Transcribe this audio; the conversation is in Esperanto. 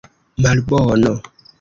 malbono